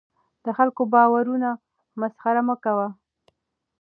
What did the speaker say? د خلکو د باورونو مسخره مه کوه.